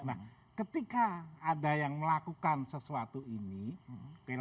nah ketika ada yang melakukan sesuatu ini